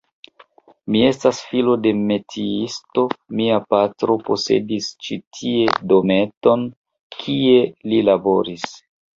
Mi estas filo de metiisto, mia patro posedis ĉi tie dometon, kie li laboris.